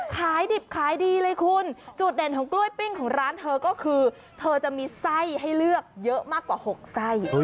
ขายดิบขายดีเลยคุณจุดเด่นของกล้วยปิ้งของร้านเธอก็คือเธอจะมีไส้ให้เลือกเยอะมากกว่า๖ไส้